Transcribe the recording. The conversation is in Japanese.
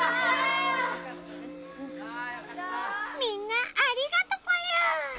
みんなありがとぽよ！